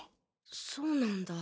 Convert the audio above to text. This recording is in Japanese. そうなんだ。